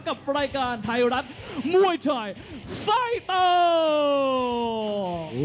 กับรายการไทยรัฐมวยไทยไฟเตอร์